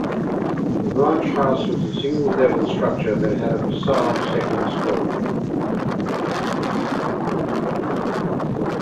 The ranch house was a single level structure that had a facade second storey.